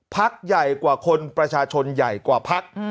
ภักดิ์ใหญ่กว่าคนประชาชนใหญ่กว่าภักดิ์